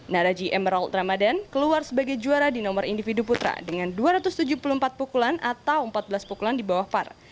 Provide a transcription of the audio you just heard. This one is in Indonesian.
naraji emerald ramadan keluar sebagai juara di nomor individu putra dengan dua ratus tujuh puluh empat pukulan atau empat belas pukulan di bawah var